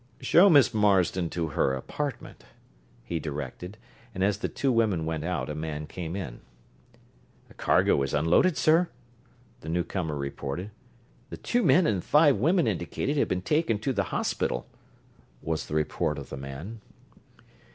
"Show Miss Marsden to her apartment," he directed, and as the two women went out a man came in. "The cargo is unloaded, sir," the newcomer reported. "The two men and the five women indicated have been taken to the hospital," was the report of the man.